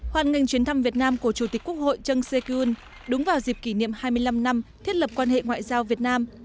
hoàn ngành chuyến thăm việt nam của chủ tịch quốc hội trân sekun đúng vào dịp kỷ niệm hai mươi năm năm thiết lập quan hệ ngoại giao việt nam